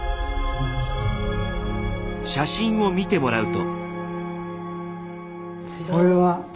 写真を見てもらうと。